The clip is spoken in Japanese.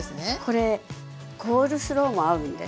これコールスローも合うんです。